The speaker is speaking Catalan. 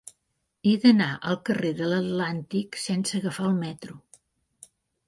He d'anar al carrer de l'Atlàntic sense agafar el metro.